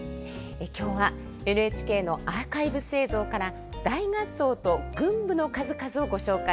今日はＮＨＫのアーカイブス映像から大合奏と群舞の数々をご紹介